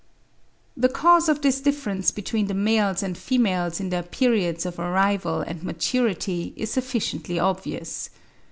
The cause of this difference between the males and females in their periods of arrival and maturity is sufficiently obvious.